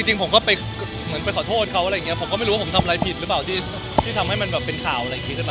จริงผมก็ไปเหมือนไปขอโทษเขาอะไรอย่างเงี้ผมก็ไม่รู้ว่าผมทำอะไรผิดหรือเปล่าที่ทำให้มันแบบเป็นข่าวอะไรอย่างนี้หรือเปล่า